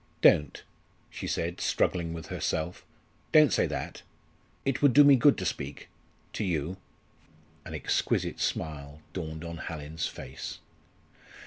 "Don't!" she said, struggling with herself; "don't say that! It would do me good to speak to you " An exquisite smile dawned on Hallin's face.